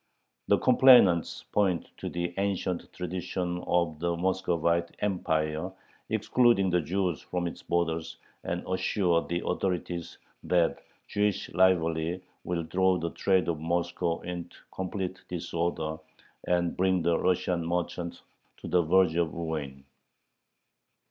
The complainants point to the ancient tradition of the Muscovite Empire excluding the Jews from its borders, and assure the authorities that Jewish rivalry will throw the trade of Moscow into complete "disorder," and bring the Russian merchants to the verge of ruin.